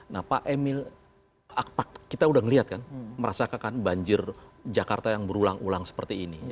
nah pak emil kita udah ngeliat kan merasakan banjir jakarta yang berulang ulang seperti ini